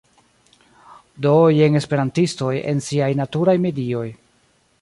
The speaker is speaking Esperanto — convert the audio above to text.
Do, jen esperantistoj... en siaj naturaj medioj